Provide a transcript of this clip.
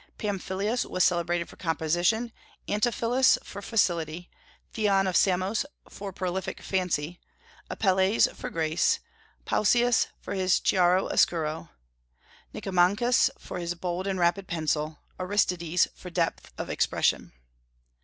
Pamphilus was celebrated for composition, Antiphilus for facility, Theon of Samos for prolific fancy, Apelles for grace, Pausias for his chiaro oscuro, Nicomachus for his bold and rapid pencil, Aristides for depth of expression.